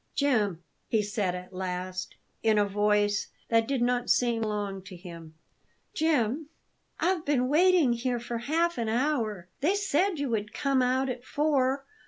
"Jim!" he said at last, in a voice that did not seem to belong to him. "Jim!" "I've been waiting here for half an hour. They said you would come out at four.